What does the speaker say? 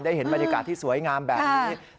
เห็นบรรยากาศที่สวยงามแบบนี้